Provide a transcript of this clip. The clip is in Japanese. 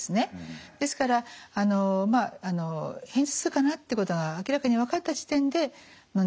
ですから片頭痛かなってことが明らかに分かった時点でのんでいただく。